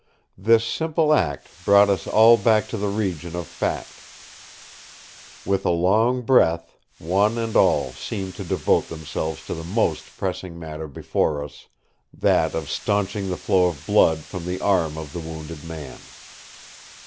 This simple act brought us all back to the region of fact. With a long breath, one and all seemed to devote themselves to the most pressing matter before us, that of staunching the flow of blood from the arm of the wounded man.